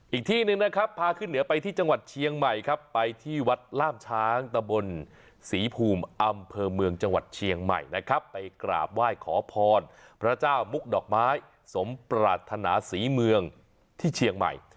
อีกที่หนึ่งนะครับพาขึ้นเหนือไปที่จังหวัดเชียงใหม่ครับไปที่วัดล่ามช้างตะบนศรีภูมิอำเภอเมืองจังหวัดเชียงใหม่นะครับไปกราบไหว้ขอพรพระเจ้ามุกดอกไม้สมปรารถนาศรีเมืองที่เชียงใหม่